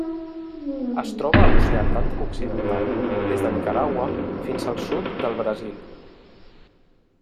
Es troba a l'Oceà Atlàntic occidental: des de Nicaragua fins al sud del Brasil.